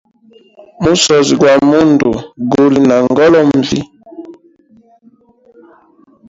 Musozi gwa mundu guli na ngolonvi.